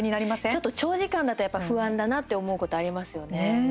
ちょっと長時間だとやっぱり不安だなって思うことありますよね。